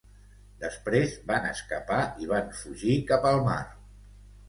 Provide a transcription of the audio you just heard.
Després van escapar i van fugir cap al mar.